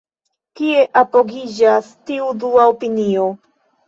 Kie apogiĝas tiu dua opinio?